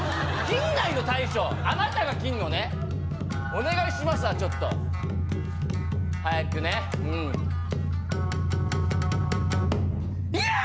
大将あなたが切るのねお願いしますわちょっと早くねうんヤーッ！